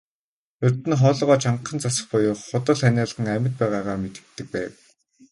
Урьд нь хоолойгоо чангахан засах буюу худал ханиалган амьд байгаагаа мэдэгддэг байв.